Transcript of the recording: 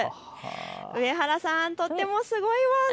上原さん、とてもすごいワン！